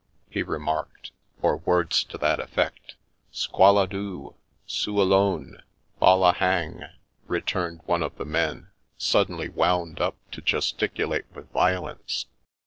he remarked, or words to that effect. " Squall a doo, soo a lone, boUa hang," returned one of the men, suddenly wound up to gesticulate with violence.